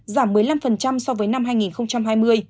giảm một mươi năm so với năm hai nghìn hai mươi